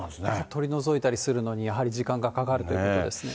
取り除いたりするのに、やはり時間がかかるということですね。